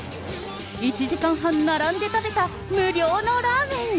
１時間半並んで食べた無料のラーメン。